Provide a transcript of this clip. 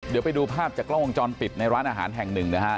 เดี๋ยวไปดูภาพจากกล้องวงจรปิดในร้านอาหารแห่งหนึ่งนะฮะ